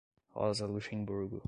Rosa Luxemburgo